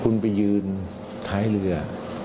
คุณไปยืนท้ายเรือ